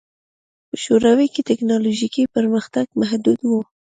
په شوروي کې ټکنالوژیکي پرمختګ محدود و